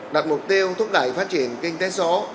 đặt mục tiêu thúc đẩy phát triển kinh tế số